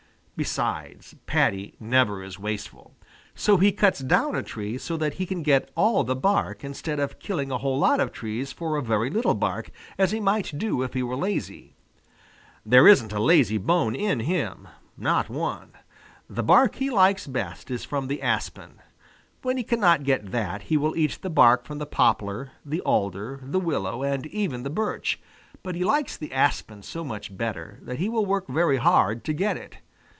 Besides, Paddy never is wasteful. So he cuts down a tree so that he can get all the bark instead of killing a whole lot of trees for a very little bark, as he might do if he were lazy. There isn't a lazy bone in him not one. The bark he likes best is from the aspen. When he cannot get that, he will eat the bark from the poplar, the alder, the willow, and even the birch. But he likes the aspen so much better that he will work very hard to get it.